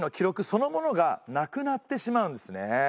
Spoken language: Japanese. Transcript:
そのものがなくなってしまうんですね。